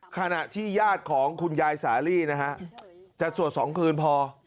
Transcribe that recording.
ขณะที่ญาติของคุณยายสาหรี่จะสวดสองคืนพอ